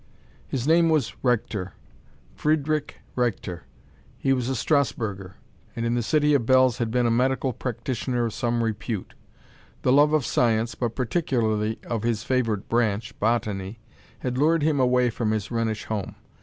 His name was Reichter Friedrich Reichter. He was a Strasburgher, and in the city of bells had been a medical practitioner of some repute. The love of science, but particularly of his favourite branch, botany, had lured him away from his Rhenish home.